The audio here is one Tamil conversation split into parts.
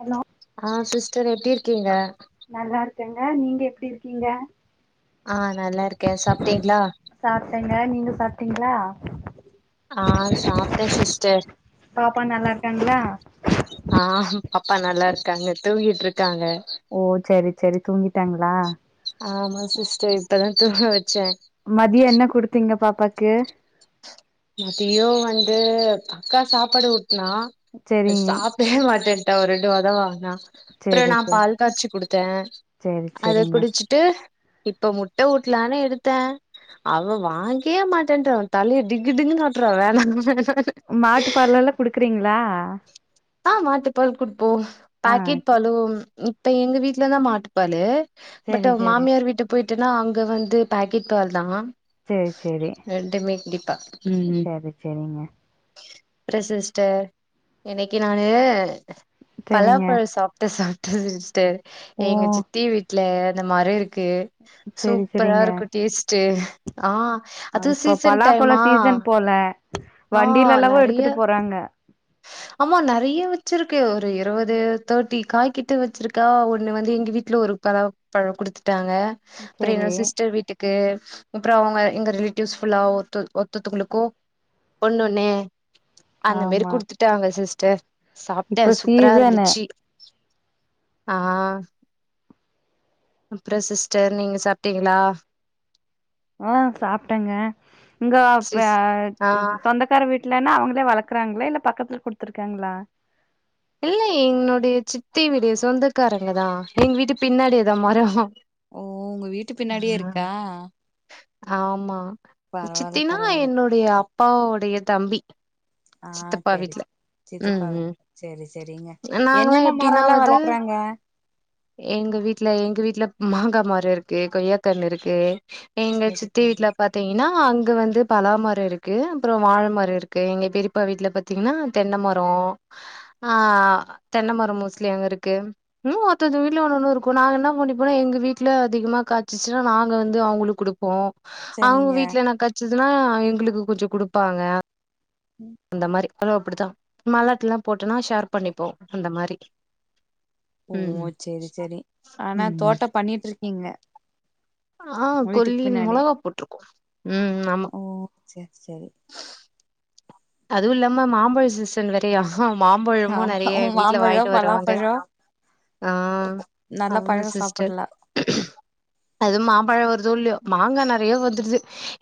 ஹலோ ஆ சிஸ்டர் எப்டி இருக்கீங்க நல்லா இருக்கேங்க நீங்க எப்டி இருக்கீங்க ஆ நல்லா இருக்கே சாப்ட்டீங்ளா சாப்டேங்க நீங்க சாப்டீங்ளா ஆ சாப்ட்டே சிஸ்டர் பாப்பா நல்லா இருக்காங்ளா ஆ பாப்பா நல்லா இருக்காங்க தூங்கிட்ருக்காங்க ஓ செரி செரி தூங்கிட்டாங்களா ஆமா சிஸ்டர் இப்பதா துங்க வெச்சே மதிய என்ன குடுத்தீங்க பாப்பாக்கு மதியோ வந்து அக்கா சாப்பாடு ஊட்னா அத் செரிங்க சாப் ட மாட்டேன்ட்டா ஒரு ரெண்டு வாதா வாங்குனா அப்புற செரி நா செரி பால் காச்சி குடுத்தே செரி அத செரிங்க குடிச்சுட் டு இப்ப முட்ட ஊட்லானு எடுத்தே அவ வாங்கே மாட்டேன்றா தலைய டிங்கு டிங்குன் ஆட்றா வேணா வேணானு மாட்டுப்பாலெல்லா குடுக்குறீங்களா ஆ மாட்டுப்பால் குடுப்போ ஆ பாக்கெட் பாலும் இப்ப எங்க வீட்லதா மாட்டு பாலு பட் செரி செரி மாமியார் வீட்டுக் போயட்டனா அங்க வந்து பாக்கெட் பால்தா செரி செரி ரெண்டுமே குடிப்பா ம் ம் செரி செரிங்க அப்றோ சிஸ்டர் இன்னைக்கி நானு செரிங்க பலாப்பழோ சாப்புட்டு சாப்டே சிஸ்டர் ஓ எங்க சித்தி வீட்ல இந்த மரோ இருக்கு செரி சூப்பரா செரிங்க இருக்கு டேஸ்ட் ஆ அதுவு இப்போ சீசன் பலாப்பழ டைமா சீசன் போல ஆ நறைய வாங்க ஆமா நறைய வெச்சிருக்கு ஒரு இருவது தேர்ட்டி காய்கிட்ட வெச்சிருக்கா ஒண்ணு வந்து எங்க வீட்ல ஒரு பலா பழோ குடுத்துட்டாங்க அப்புறோ எங்க செரி சிஸ்டர் வீட்டுக்கு க்கு அப்றோ அவுங்க எங்க ரிலேட்டிவ்ஸ் ஃபுல்லா ஒருத்த ஒத்தத்துகளுக்கு ஒன்னொன்னு அந்த மாரி ஆமா குடுத்துட்டாங்க சிஸ்டர் இப்ப சாப்டேன் சூப்பரா சீசனு இருந்துச்சி ஆ அப்றோ சிஸ்டர் நீங்க சாப்ட்டீங்ளா ஆ சாப்டேங்க இங்க இப்ப சிஸ் ஆ சொந்த கார வீட்லனா அவங்களே வளக்கறாங்களா இல்ல பக்கத்துல குடுத்திருக்காங்களா இல்ல என்னுடைய சித்தி வீடு சொந்தக்காரங்க தா எங்க வீட்டு பின்னாடிதா மரோ ஓ உங்க வீட்டு பின்னாடியே இருக்கா ஆமா பரவால்ல சித்தினா பரவால்ல என்னுடைய அப்பாவுடைய தம்பி ஆ சித்தப்பா சேரி சேரி வீட்ல ம் சித்தப்பா ம் சேரி சேரிங்க நாங்கல்லா என்னென்ன எப்டின்னா மரம்லா வந்து வளக்கறாங்க எங்க வீட்ல எங்க வீட்ல மாங்கா மரோ இருக்கு கொய்யாக்கன்னு இருக்கு எங்க செரி சித்தி செரி வீட்ல பாத் பத்தீங்கன்னா அங்க வந்து பலாமரோ இருக்கு அப்றோ வாழைமரோ இருக்கு எங்க பெரியப்பா வீட்ல பாத் திங்னா தென்ன மரோ ஆ தென்ன மரோ மோஸ்ட்லி அங்க இருக்கு ம் ஒருத்த ஒருத்த வீட்ல ஒன்ன ஒன்னொன்னு இருக்கு நாங்க என்ன பண்ணிப்போனா எங்க வீட்ல அதிகமா காய்சிச்சின்னா நாங்க வந்து அவுங்களுக்கு குடுப்போ அவுங்க செரிங்க வீட்ல எதனா கச்சிதுன்னா எங்களுக்கு கொஞ்சோ குடுப்பாங்க ம் அந்த மாரி பொதுவா அப்படிதா மல்லாட்டல்லா போட்டோனா ஷேர் பண்ணிப்போ அந்த மாரி ஓ ம் சேரி சேரி ஆனா ம் தோட்டோ பண்ணிட்டு இருக்கீங்க ஆ கொல்லின் மொளகா போட்டிருக்கோ ம் ம் ஓ சேரி சேரி அதுவு இல்லாம மாம்பழோ சீசன் வேரையா ஆ மாம்பழமு ஆமா நெறைய வீட்ல மாம்பழோ வாங்கிட்டு வருவாங்க பலாப்பழோ ஆ நல்லா ஆமா பழோ சிஸ்டர் சாப்புட்லா அது மாம்பழோ வருதோ இல்லையோ மாங்கா நெறைய வந்துருது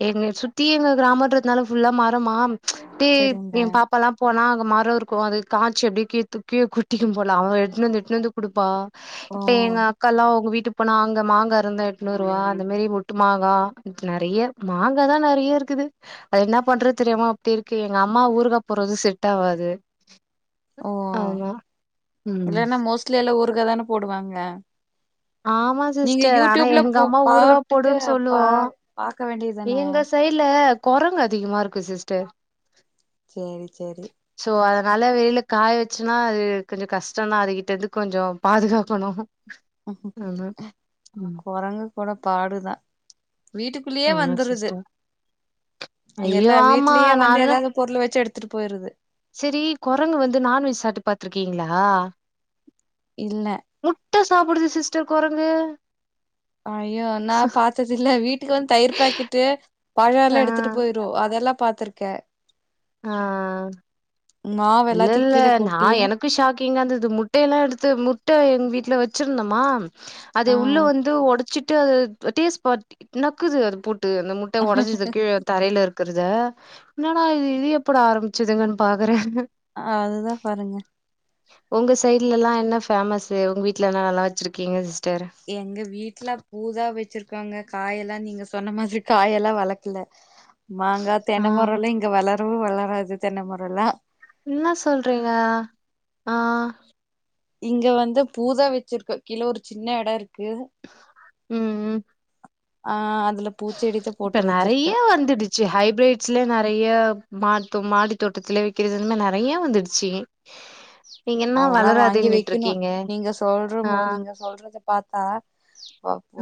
எங்கள சுத்தி எங்க கிராமதுறத்துனால ஃபுல்லா மரமா அப்டியே எயே செரிங்க பாப் பாபெல்லா போனா அங்க மாரோ இருக்கோ காச்சி அப்படியே கீழ தூக் கீழ கொட்டிம் போல அவே எத்துனு வந்து எத்துனு வந்து குடுப்பா ஓ இப்ப எங்க அக்கால்லா அவுங்க வீட்டு இப்ப நா அங்க மாங்கா இருந்தா எத்துனு வருவா அந்த மாரி ஒட்டு மாங்கா நெறைய மாங்கா தா நெறைய இருக்குது அது என்ன பண்றது தெரியாம அப்டி இருக்கு எங்க அம்மா ஊருக்கா போட்றது செட்ட ஆவாது ஓ ஆமா ம் இல்லன்னா மோஸ்ட்லி எல்லா ஊருகா தானே போடுவாங்க ஆமா நீங்க சிஸ்டர் ஆனா யூடியூப்ல எங்க போ அம்மா ஊறுகா பாட்டுட்டு போடுன்னு பா சொல்லுவோ பாக்க வேண்டியதானே எங்க சைட்ல கொரங்கு அதிகமா இருக்கு சிஸ்டர் சேரி சேரி சோ அதனால வெயில்ல காய வச்சுன்னா அது கொஞ்சம் கஷ்டம்னான் அதுகிட்ட இருந்து கொஞ்சோம் பாதுகாக்கணும் குரங்கு கூட பாடுதான் வீட்டுக்குள்ளேயே ஆமா வந்துருது சிஸ்டர் இங்க ஐயோ எல்லாம் ஆமா வீட்லயு வந்து நானு ஏதாவது பொருளை வச்சா எடுத்துட்டு போயிருது செரி குரங்கு வந்து நான்வெஜ் சாப்ட்டு பாத்துருக்கீங்களா இல்ல முட்டை சாப்டுது சிஸ்டர் குரங்கு ஐயோ நான் பார்த்ததில்ல வீட்டுக்கு வந்து தயிர் பாக்கெட்டு பழம் ஆ எல்லாம் எடுத்துட்டு போயிரும் அதெல்லாம் பாத்திருக்கேன் ஆ மாவு இல்ல எல்லாத்தையு இல்ல கீழ கொட்டி நான் எனக் கு ஷாக்கிங்கா இருந்தது முட்டைய எல்லாம் எடுத்து முட்டை எங் வீட்ல வச்சிருந்தோமா ஆ அதை உள்ள வந்து உடைச்சிட்டு அது டேஸ்ட் பா நக்குது அது போட்டு அந்த மு உடைஞ்சதுக்கு கிழ தரையில இருக்கறத என்னடா இ இது எப்பட ஆரம்பிச்சுதுங்கன்னு பாக்குறேன் அதுதான் பாருங்க உங்க சைடுல எல்லாம் என்ன பேமஸ் உங்க வீட்ல என்னல்லா வச்சிருக்கீங்க சிஸ் எங்க வீட்ல பூதா வச்சிருக்காங்க காய எல்லாம் நீங்க சொன்ன மாரி காயெல்லாம் வளர்க்கல மாங்கா ஆ தென்ன மரம் இங்க வளரவும் வளராது தென்ன மரமெல்லாம் என்ன சொல்றீங்க ஆ இங்க வந்து பூதா வச்சிருக்கு கீழ ஒரு சின்ன எடோ இருக்கு ம் ம் ஆ அதுல பூச்செடித்தா போட்டு வச்சிருக்கே சி ஹைபிரிட்ஸ்ல நெறைய மா மாடி தோட்டத்துல வைக்கிறது நெறைய வந்துடுச்சு நீங்க என்ன அதெல்லாம் வாங்கி வளராதுன்னுட்டு வைக்கணும் இருக்கீங்க நீங்க சொல்ற ஆ நீங்க சொல்றத பாத்தா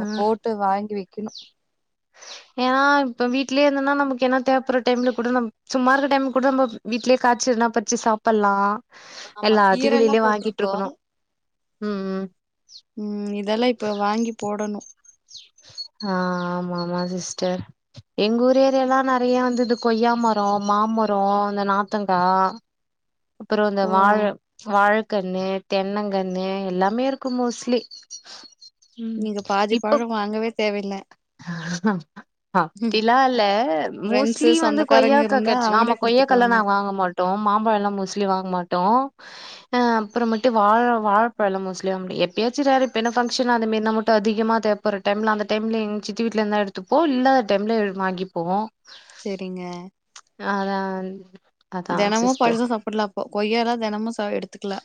ஆ போட்டு வாங்கி விக்கினும் ஏன் இப்ப வீட்லயே இருதுன்னா நமக்கு என்ன தேவைப்படுற டைம்ல கூட ந சும்மா இருக்கற டைம்ல கூட நம்ம வீட்லயே காய்ச்சி என்னா பரிச்சு சாப்பலாம் ஆமா எல்லாத்தையும்‌ இது கீரல்லா வெளிலயே‌ வாங்கிட்டு போட்ருக்கோ இருக்கணும் ம் ம் ம் இதெல்லாம் இப்ப வாங்கி போடணும் ஆ ஆமா ஆமா சிஸ்டர் எங்க ஊர் ஏரியால்லாம் நெறைய வந்து இது கொய்யா மரோ மாமரோ இந்த நாத்தங்கா அப்பறம் இந்த ஓ வாழ வாழக்கன்னு தென்னங்கன்னு எல்லாமே இருக்கும் மோஸ்ட்லி ம் இப்ப இங்கவே தேவயில்ல அஹா அப்டிலாம் இல்ல ஃப்ரெண்ட்ஸு மோஸ்ட்லி வந்து சொந்தக்காரங்க கொய்யாக்கா இருந்தா கிடைச்சு ஆமா அவங்களே கொய்யாக்கால்லா குடுத்துக்குவாங்க நா வாங்க மாட்டோம் மாம்பழம் எல்லாம் மோஸ்ட்லி வாங்க மாட்டோம் ஆ அப்பறமேட்டும வாழ வாழப்பழம் மோஸ்ட்லி வாங்க எப்பயாச்சும் ரேர் இப்ப என்னா பக்சனா அந்தமேறினா மட்டும் அதிகமா ஒரு டைம்ல அந்த டைம்ல எங்க சித்தி வீட்ல இருந்த எடுத்துப்போ இல்லாத டைம்ல வாங்கிப்போம் சேரிங்க அதா தெனமும் சிஸ்டர் பழுசா சாப்பல்லா அப்போ கொய்யா எல தினமும் ச எடுத்துக்கலா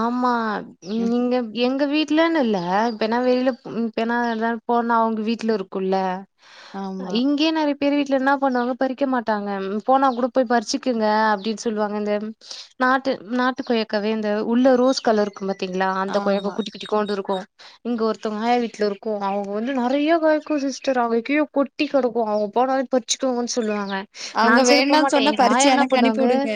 ஆமா ம் நீங்க எங்க வீட் வீட்லனு இல்ல இப்பனா வெளியில இப்பனா போனா அவங்க வீட்ல இருக்கும்ல்ல ஆமா இங்கே நெறையப் பேர் வீட்ல என்னா பண்ணுவாங்க பறிக்க மாட்டாங்க போனா கூட போய் பறிச்சுக்குங்க அப்டின் சொல்லுவாங்க இந்த நாட்டு நாட்டுக்கொய்யாக்காவே இந்த உள்ள ரோஸ் கலர் இருக்கும்ப பாத்தீங்ளா அந்த கொய்யாக்கோ ஆமா குட்டி குட்டி கோண்டுருக்கும் இங்க ஒருத்தவங் ஆயா வீட்ல இருக்கும் அவங்க வந்து நெறைய காய்க்கும் சிஸ்டர் அங்க கீழ கொட்டி கெடக்கும் அங்க போனலே பறிச்சுகோங்கன் சொல்லுவாங்க நா அவங்க அந் சைடு வேண்டான்னு போமாட்டேன் சொன்னா எங்க பறிச்சு ஆயா என்ன எனக்கு அனுப்பி பண்ணுவாங்க விடுங்க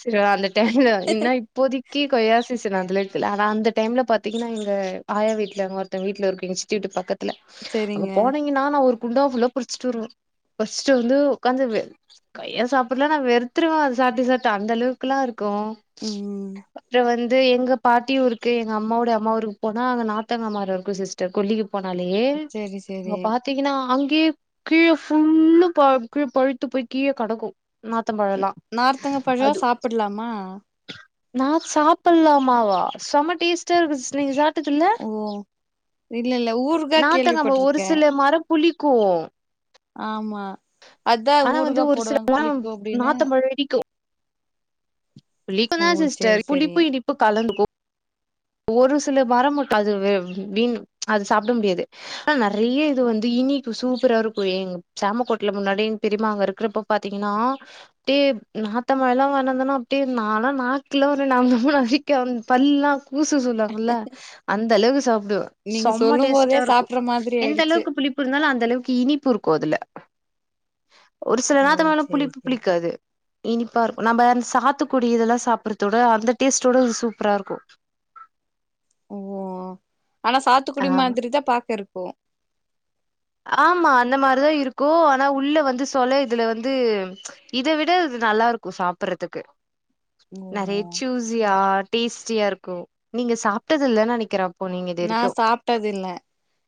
செரி வா அந்த டைம்ல என்ன இப் இப்போதைக்கி கொய்யா சீசன் அதுல இருக்குல ஆனா அந்த டைம்ல பாத்தீங்ன்னா இங்க ஆயா வீட்ல அங்க ஒருத்தவங் வீட்ல இருக்கு எங்க சித்தி வீட்டு பக்கத்துல அங்க சரிங்க போனீங் நானா ஒரு குண்டா ஃபுல்லா பறிச்சுட்டு வருவ பறிச்சுட்டு வந்து உக்காந்துருவ கொய்யா சாப்ட்டுலா நா வெறுத்துருவ அது சாப்ட்டு சாப்ட்டு அந்தளவு க்லா இருக்கும் ம் அப்பறம் வந்து எங்க பாட்டி ஊருக்கு எங்க அம்மாவோட அம்மா ஊருக் போனா அங்க நாத்தங்கா மரம் இருக்கும் சிஸ்டர் கொல்லிக்கு போனாலே சரி அங்க சரி பாத் தீங்ன்னா அங்கேயே கீழ ஃபுல்லு ப கீழ பழுத்து போய் கீழ கடக்கு நாத்த ன் பழலா நார்த்தங்க பழோ அது சாப்பிடலாமா நா சாப்புல்லாமாவா செம டேஸ்டா இருக்கு சிஸ்டர் நீங்க சாப் டதுல்ல ஓ இல்ல இல்ல ஊருகா நாத்தங்கா ஒரு கேள்விப்பட்டிருக்கே சில மரோ புளிக்கோ ஆமா அதா ஆனா வந்து ஊறுகா ஒரு சில போடுவாங்க புளிக்கும் அப்டின்னு நாத்தம்பழோ புளிக்கும்‌ ஓ தா சரி சிஸ்டர் சரி புளிப்பு இனிப்பு கலந்து [inaudible] கு ஒரு சில மரம் மட்டும்‌ அது வீண் அது சாப்ட முடியாது ஆனா நெறைய இது வந்து இனிக்கும் சூப்பரா இருக்கும் எங்க சாமக்கோட்ல முன்னாடி பெரிம்மா அங்க இருக்கிறப்ப பாத்தீங்ன்னா அப்டியே நாத்த பழல்லா வாயின் வந்தனா அப்டியே நான்லா நாக்குல்ல ஒரு நமி நமிக்கும் பல்லுலா கூசும் சொல்வாங்கல்ல அந்த அளவுக்கு சாப்டுவ சம்ம டேஸ்ட்டா இருக்கு சாப்பிட்ற மாதிரி எந்த ஆயிடுச் அளவுக்கு புளிப்பு இருந்தாலு அந்த அளவுக்கு இனிப்பு இருக்கு அதுல ஒரு சில ஓ நாத்தங்காலா சரி புளிப்பு சரி புளிக்காது இனிப்பா இருக்கு நம்ப அந்த சாத்துக்குடி இதுல்லா சாப்பறத விட அந்த டேஸ்ட்டோட இது சூப்பரா இருக்கு ஓ ஆனா சாத்துக்குடி ஆமா மாதிரி தா பாக்க இருக்கு ஆமா அந்த மாரிதா இருக்கு ஆனா உள்ள வந்து சொல இதுல வந்து இத விட அது நல்லாருக்கு சாப்பறதுக்கு ஓ நெறைய சூசியா டேஸ்டியா இருக்கு நீங்க சாப்ட்டது இல்லன் நெனைக்கிற இப்போ நீங்க இது நா வரைக்கு சாப்ட்டது இல்ல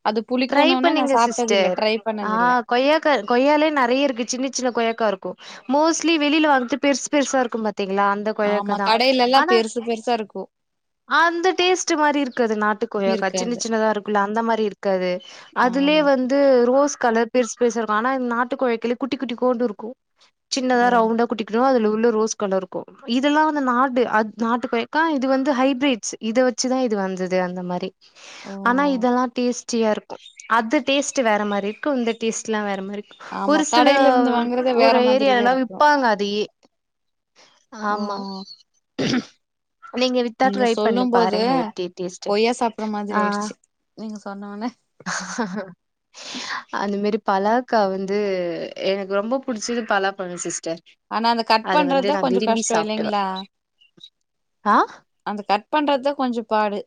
அது ட்ரை புளிக்குனோனே நா பண்ணிங்க சிஸ் சாப்ட்டது இல்ல சேர் ட்ரை ஆ பண்ணது இல்ல கொய்யாக்கா கொய்யாலயே நெறைய இருக்கு சின்ன சின்ன கொய்யாக்கா இருக்கு மோஸ்ட்லி வெளில வாங்கற்து பெருசு பெருசா இருக்கும் பாத்தீங்ளா அந்த ஆமா கொயாக்கா தா கடையிலல்லா ஆனா பெருசு பெருசா இருக்கு அந்த டேஸ்ட்டு மாரி இருக்காது நாட்டு கொய்யாக்கா சின்ன இருக்காது சின்னதாருக் கும்ல அந்த மாரி இருக்காது அதுலே ஆமா வந் து ரோஸ் கலர் பெருஸ் பெருசா இருக்கு ஆனா இந்த நாட்டு கொய்யாக்ல குட்டி குட்டி கோண்டு இருக்கு சின்னதா ஓ ரவுண்டா குட்டி குட்டியா அதுல உள்ள ரோஸ் கலருக்கு இதெல்லா வந்து நாடு அ நாட்டு கொய்க்கா இது வந்து ஹைப்பிரிட்ஸ் இத வெச்சுதா இது வந்தது அந்த மாரி ஓ ஆனா இதெல்லா டேஸ்ட்டியாருக்கு அது டேஸ்ட்டு வேற மாரி இருக்கு இந்த டேஸ்ட்டுலா வேற மாரி ஆமா ஒரு சில கடையில இருந்து வாங்குறது வேற ஒரு மாதிரிதா ஏரியல்லா இருக்கு விப்பாங்க அதையே ஓ ஆமா நீங்க வித்தா ட்ரை பண்ணி சொல்லும் போது பாருங்க எப்டி டேஸ்ட்டு கொய்யா சாப்பிடுற மாதிரி ஆ ஆயிடுச்சு நீங்க சொன்ன உன்னே அந்த மாரி பலாக்கா வந்து எனக்கு ரொம்ப புடிச்சது பலா பழோ சிஸ்டர் ஆனா அத கட் வந்து பண்றதுதா நான் கொஞ்சோ விரும்பி கஷ்டோ சாப்டுவேன். இல்லங்ளா ஆ அத கட் பண்றதுதா கொஞ்சோ பாடு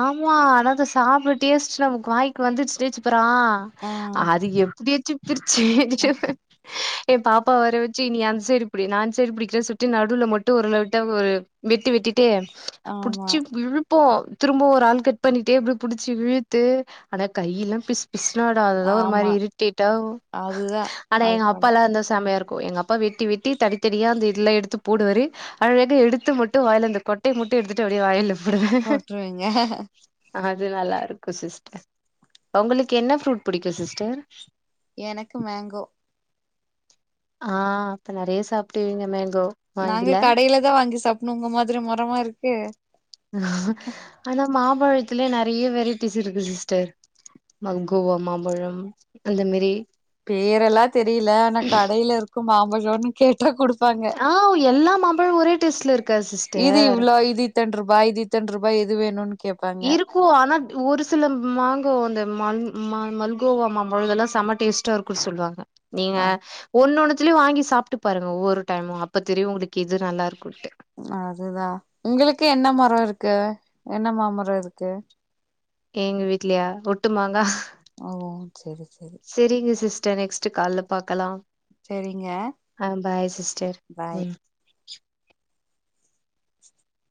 ஆமா ஆனா சாப்பிட் டேஸ்ட் நமக்கு வாய்க்கு வந்துச் [unintelligible] அப்றோ ம் அதுக்கு எப்டியாச்சி பிரிச்சு எ பாப்பாவ வர வச்சு நீ அந்த சைடு புடி நா அந்த சைடு புடிக்கிறே சுத்து நடுவுல மட்டு [unintelligible] ஒரு வெட்டு வெட்டிட்டு ஆமா புடிச்சு இழுப்போ திரும்ப ஒரு ஆள் கட் பண்ணிட்டே புடிச்சி இழுத்து ஆனா கையெல்லா பி பிசுரோட அதுதா ஒரு மாதிரி ஆமா இரிட்டேட்டா அதுதா ஆனா அது எங்க பாடு அப்பாலா இருந்தா செமையா இருக்கு எங்க அப்பா அப்பா வெட்டி வெட்டி தனத்தனியாக அந்த இதில எடுத்து போடுவாரு அழகா எடுத்து மட்டு வாயில அந்த கொட்ட மட்டு எடுத்துட்டு அப்டியே வாயில போடுவே அவங்க அது நல்லா இருக்கு சிஸ்டர் உங்களுக்கு என்ன ஃப்ரூட் பிடிக்கு சிஸ்டர் எனக்கு மேங்கோ‌ ஆ அப்ப நெறைய சாப்டுவீங்க மேங்கோ நாங்க வாங்கில கடைல தா வாங்கி சாப்டணு உங்க மாரி முரமா இருக்கு ஆனா மாம்பழத்திலயே நெறைய வெரைட்டிஸ் இருக்கு சிஸ்டர் மல்கோவா மாம்பழோ அந்த மேரி பேரெல்லா தெரில ஆனா கடைல இருக்கு மாம்பழன்னு கேட்டா கொடுப்பாங்க ஆ எல்லா மாம்பழமு ஒரே டேஸ்ட்ல இருக்கா இது சிஸ்டர் இவ்ளோ இது பத்தெண்டு ரூபாய் இத்தரண்டு ரூபாய் எது வேணும்னு கேப்பாங்க ஆனா ஒரு சில மாங்கோ அந்த மல் மல்கோவ மாம்பழோல்லா செம டேஸ்ட்டா இருக்கு பொய் சொல்வாங்க ஆ நீயா ஒன்னுண்ணுத்தலயு வாங்கி சாப்ட்டு பாருங்க ஒவ்வொரு டைமு அப்ப தெரியு உங்களுக்கு இது நல்லாருக்கும்ட்டு அதுதா உங்களுக்கு என்ன மரம் இருக்கு என்ன மாமரம் இருக்கு எங்க வீட்லயா தெட்டுமாங்கா ஓ செரி செரி செரிங்க சிஸ்டர் நெக்ஸ்ட்டு கால்ல பாக்கலாம் செரிங்க ஆ பாய் சிஸ்டர் பாய் ம்